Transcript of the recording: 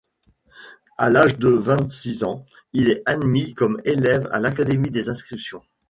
À l’âge de vingt-six ans, il est admis comme élève à l’Académie des inscriptions.